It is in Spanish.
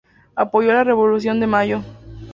Apoyó la Revolución de Mayo.